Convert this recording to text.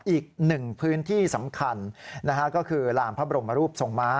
อีกหนึ่งพื้นที่สำคัญก็คือลานพระบรมรูปทรงม้า